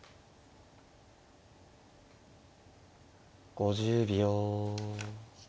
５０秒。